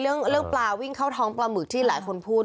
เรื่องปลาวิ่งเข้าท้องปลาหมึกที่หลายคนพูด